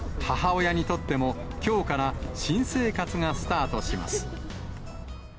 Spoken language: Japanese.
母親にとっても、きょうから新生活がスタートします。